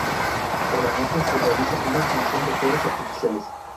Por la noche se realiza una exhibición de fuegos artificiales.